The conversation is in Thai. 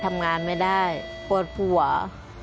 ทำงานไม่ได้ปวดผัว